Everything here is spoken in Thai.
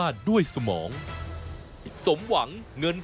สวัสดีค่ะคุณผู้ชมต้อนรับเข้าสู่ชุวิตตีแสงหน้า